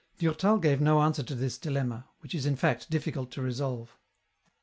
Durtal gave no answer to this dilemma ; which is in fact difficult to resolve.